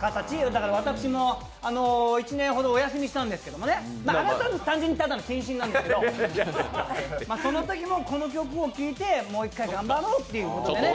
私も一年ほどお休みしたんですけど、あれはただの謹慎なんですけどそのときもこの曲を聴いてもう１回頑張ろうとね。